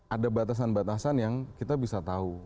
ada batasan batasan yang kita bisa tahu